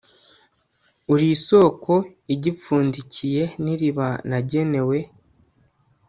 uri isoko igipfundikiye n'iriba nagenewe